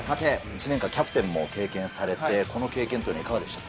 １年間キャプテンも経験されて、この経験というのはいかがでしたか。